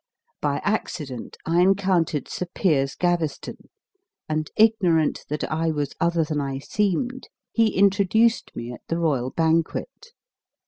By accident I encountered Sir Piers Gaveston, and, ignorant that I was other than I seemed, he introduced me at the royal banquet.